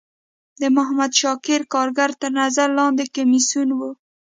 د محمد شاکر کارګر تر نظر لاندی کمیسیون و.